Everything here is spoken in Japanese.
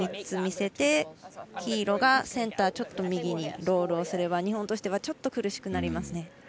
３つ見せて黄色がセンターちょっと右にロールをすれば日本としてはちょっと苦しくなりますね。